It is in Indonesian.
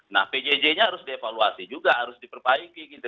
nah pjj nya harus dievaluasi juga harus diperbaiki gitu